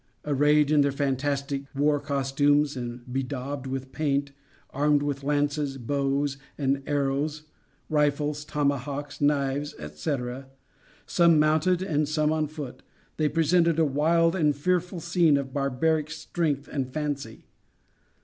Arrayed in their fantastic war costume and bedaubed with paint, armed with lances, bows and arrows, rifles, tomahawks, knives, etc., some mounted and some on foot, they presented a wild and fearful scene of barbaric strength and fancy.